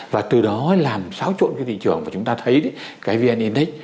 và từ đó làm sáu trộn cái thị trường và chúng ta thấy cái vn index